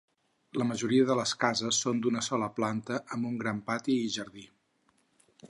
La majoria de les cases són d'una sola planta amb un gran pati i jardí.